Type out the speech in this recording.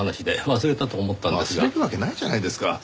忘れるわけないじゃないですか。